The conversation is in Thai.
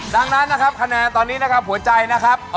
ดังนั้นนะครับคะแนนตอนนี้นะครับหัวใจนะครับ